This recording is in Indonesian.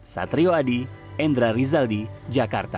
satrio adi endra rizaldi jakarta